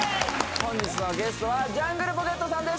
本日のゲストはジャングルポケットさんです